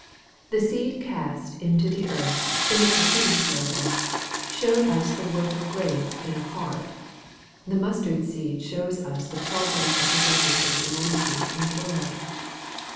The seed cast into the earth, in the preceding parable, showed us the work of grace in a heart. The mustard seed shows us the progress of professing Christianity in the world.